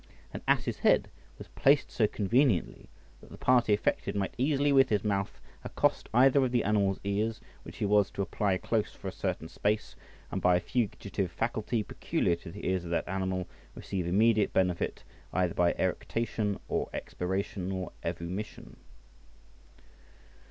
An ass's head was placed so conveniently, that the party affected might easily with his mouth accost either of the animal's ears, which he was to apply close for a certain space, and by a fugitive faculty peculiar to the ears of that animal, receive immediate benefit, either by eructation, or expiration, or evomition.